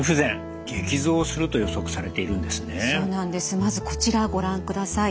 まずこちらご覧ください。